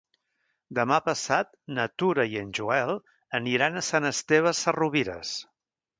Demà passat na Tura i en Joel aniran a Sant Esteve Sesrovires.